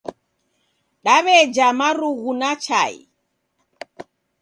Daweja marugu na chai